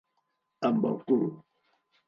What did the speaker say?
Amb el cul.